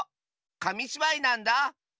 かみしばいなんだ。